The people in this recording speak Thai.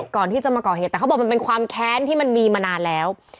ก่อนที่จะมาก่อเหตุแต่เขาบอกมันเป็นความแค้นที่มันมีมานานแล้ว